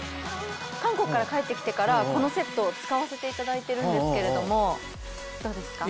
韓国から帰ってきてからこのセットを使わせていただいているんですけれどもどうですか？